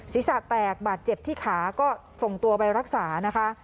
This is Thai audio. ศีรษะแตกบาดเจ็บที่ขาก็ส่งตัวไปรักษานะคะ